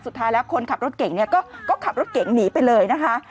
สุดท้ายคนขับรถเก่งก็ขับรถเก่งหนีไปเลย